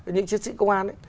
những chiến sĩ công an